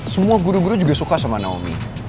semua guru guru juga suka sama naomi